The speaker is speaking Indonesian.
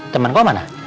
temen kok mana